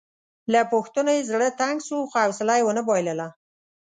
له پوښتنو یې زړه تنګ شو خو حوصله مې ونه بایلله.